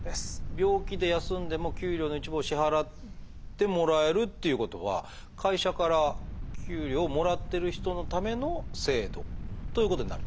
病気で休んでも給料の一部を支払ってもらえるっていうことは会社から給料をもらってる人のための制度ということになるってことですか？